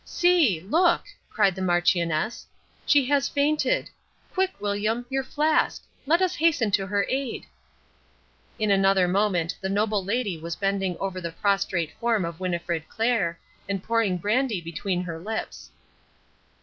"See! Look!" cried the Marchioness. "She has fainted. Quick, William, your flask. Let us hasten to her aid." In another moment the noble lady was bending over the prostrate form of Winnifred Clair, and pouring brandy between her lips.